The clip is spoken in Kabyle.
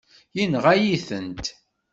Yenɣa-yi-tent.